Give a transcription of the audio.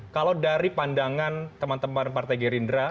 kalau dari pandangan teman teman partai gerindra